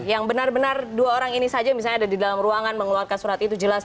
yang benar benar dua orang ini saja misalnya ada di dalam ruangan mengeluarkan surat itu jelas